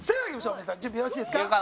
皆さん準備よろしいですか？